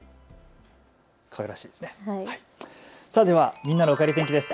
みんなのおかえり天気です。